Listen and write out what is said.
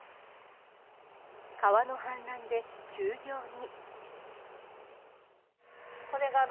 川の氾濫で休業に。